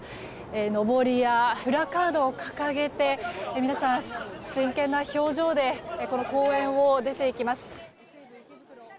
のぼりやプラカードを掲げて皆さん、真剣な表情で公園を出て行きます。